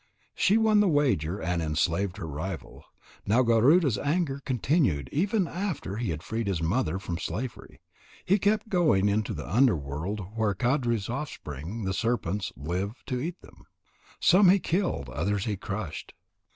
She won the wager and enslaved her rival. Now Garuda's anger continued even after he had freed his mother from slavery. He kept going into the underworld where Kadru's offspring, the serpents, live, to eat them. Some he killed, others he crushed.